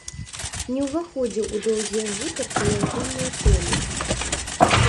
Не ўваходзіў у доўгія гутаркі на агульныя тэмы.